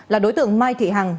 là đối tượng mai thị hằng